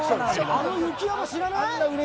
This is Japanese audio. あの雪山知らない？